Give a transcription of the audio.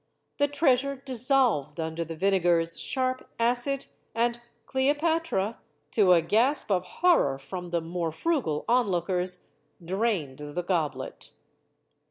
The treasure dis solved under the vinegar's sharp acid; and Cleopatra to a gasp of horror from the more frugal onlookers drained the goblet.